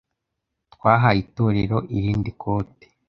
Twahaye itorero irindi kote.